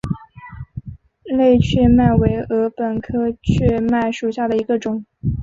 类雀麦为禾本科雀麦属下的一个种。